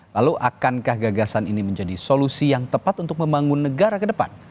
lalu akankah gagasan ini menjadi solusi yang tepat untuk membangun negara ke depan